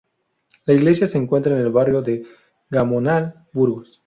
La iglesia se encuentra en el barrio de Gamonal, Burgos.